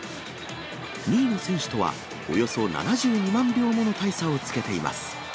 ２位の選手とは、およそ７２万票もの大差をつけています。